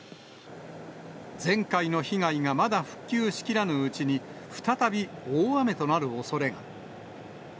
前回の被害がまだ復旧しきらぬうちに、再び大雨となるおそれが。